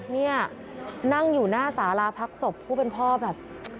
นี่นั่งอยู่หน้าสาราพักศพผู้เป็นพ่อแบบ